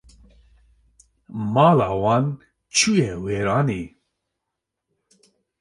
Mala wan çû ye wêranê